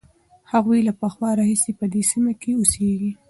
هغوی له پخوا راهیسې په دې سیمه کې اوسېږي.